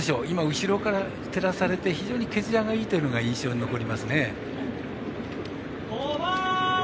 後ろから照らされて非常に毛づやがいいというのが印象に残りますね。